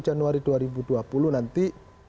januari dua ribu dua puluh nanti